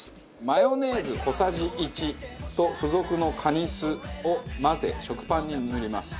マヨネーズ小さじ１と付属のカニ酢を混ぜ食パンに塗ります。